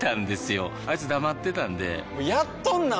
あいつ黙ってたんでやっとんなー！